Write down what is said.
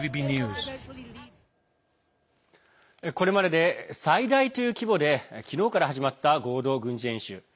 これまでで最大という規模で昨日から始まった合同軍事演習。